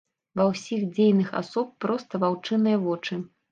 Ва ўсіх дзейных асоб проста ваўчыныя вочы.